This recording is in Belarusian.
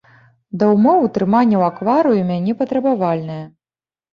Да ўмоў утрымання ў акварыуме непатрабавальная.